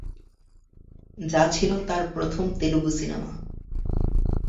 যা ছিল তার প্রথম তেলুগু সিনেমা।